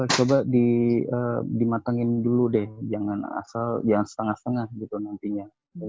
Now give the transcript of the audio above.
coba dimatengin dulu deh jangan setengah setengah gitu nantinya